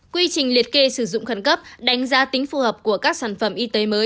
quy trình liệt kê sử dụng khẩn cấp đánh giá tính phù hợp của các sản phẩm y tế mới